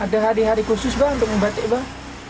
ada hari hari khusus mbah untuk membatik mbah